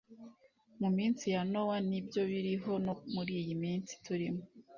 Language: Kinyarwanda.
mu minsi ya Nowa, ni byo biriho no muri iyi minsi turimo.